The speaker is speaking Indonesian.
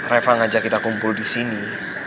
reva ngajak kita kumpul disini